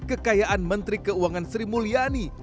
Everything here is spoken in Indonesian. kekayaan menteri keuangan sri mulyani